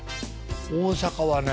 大阪はね